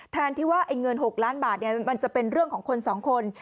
แทนที่ว่าเงิน๖ล้านบาทมันจะเป็นเรื่องของคน๒คน